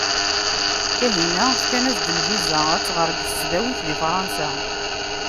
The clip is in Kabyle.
Kahina fkan-as-d lviza ad tɣer deg tesdawit di Fransa.